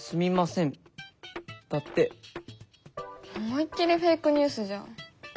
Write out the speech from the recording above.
思いっ切りフェイクニュースじゃん。